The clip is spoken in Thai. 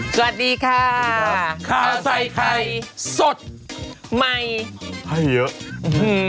สวัสดีค่ะสวัสดีครับค่าใส่ไข่สดใหม่ให้เยอะอื้อหือ